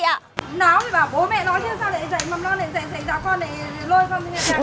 sao mà xin lỗi